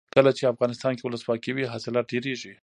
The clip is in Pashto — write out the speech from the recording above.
کله چې افغانستان کې ولسواکي وي حاصلات ډیریږي.